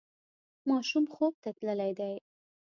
ماشوم خوب ته تللی دی.